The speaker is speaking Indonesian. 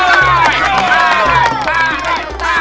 hidup pak roy